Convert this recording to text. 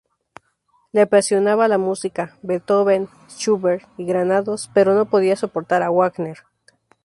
Le apasionaba la música: Beethoven, Schubert y Granados, pero, ¡no podía soportar a Wagner!